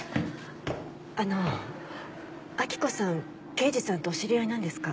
あの明子さん刑事さんとお知り合いなんですか？